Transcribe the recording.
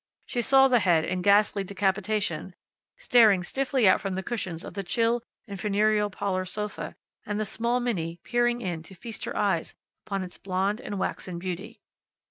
She saw the head, in ghastly decapitation, staring stiffly out from the cushions of the chill and funereal parlor sofa, and the small Minnie peering in to feast her eyes upon its blond and waxen beauty.